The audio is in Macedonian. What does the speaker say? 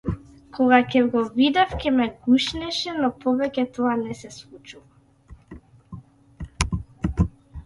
Кога ќе го видев ќе ме гушнеше но повеќе тоа не се случува.